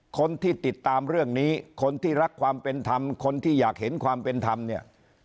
คนที่ติดตามเรื่องนี้คนที่รักความเป็นธรรมคนที่อยากเห็นความเป็นธรรมเนี่ย